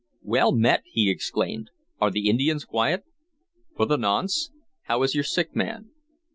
"Well met!" he exclaimed. "Are the Indians quiet?" "For the nonce. How is your sick man?"